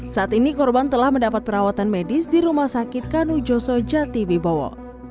saat ini korban telah mendapat perawatan medis di rumah sakit kanu joso jati wibowo